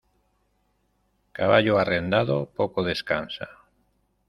Caballo arrendado, poco descansa.